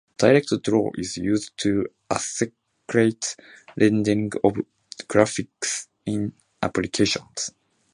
DirectDraw is used to accelerate rendering of graphics in applications.